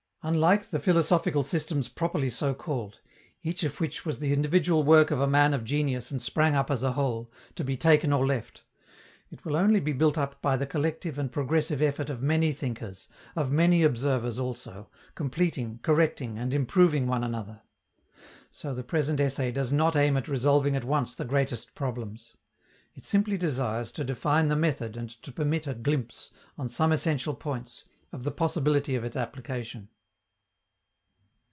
Unlike the philosophical systems properly so called, each of which was the individual work of a man of genius and sprang up as a whole, to be taken or left, it will only be built up by the collective and progressive effort of many thinkers, of many observers also, completing, correcting and improving one another. So the present essay does not aim at resolving at once the greatest problems. It simply desires to define the method and to permit a glimpse, on some essential points, of the possibility of its application.